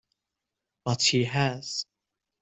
But she has.